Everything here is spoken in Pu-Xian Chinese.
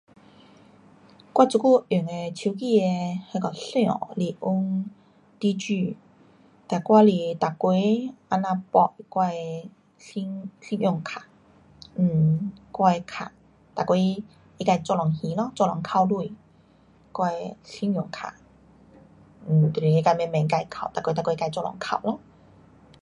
我现在用手机那个是用线 Digi，然后外面每月绑我的新用卡，我的卡每月它自己自动还咯，自动扣钱我的信用卡就是自己慢慢扣，每月每月自动扣咯。